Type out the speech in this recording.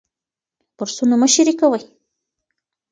برسونه مه شریکوئ.